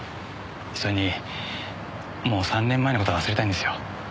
それにもう３年前の事は忘れたいんですよ。